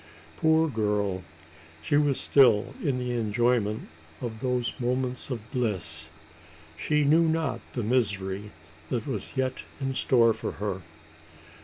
Poor girl! she was still in the enjoyment of those moments of bliss! She knew not the misery that was yet in store for her.